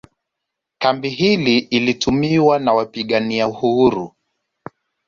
Kambi hii ilitumiwa na wapiagania uhuru